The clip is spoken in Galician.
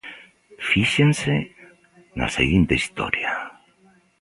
Fíxense na seguinte historia.